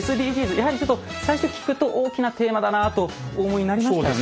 やはりちょっと最初聞くと大きなテーマだなあとお思いになりましたよね。